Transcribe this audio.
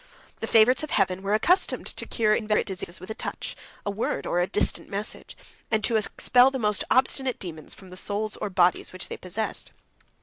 The favorites of Heaven were accustomed to cure inveterate diseases with a touch, a word, or a distant message; and to expel the most obstinate demons from the souls or bodies which they possessed.